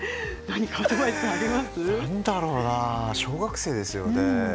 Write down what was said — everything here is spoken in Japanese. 何だろうな小学生ですよね。